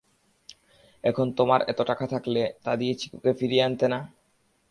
এখন তমার এতো টাকা থাকলে, তা দিয়ে চিকুকে ফিরিয়ে আনতে না?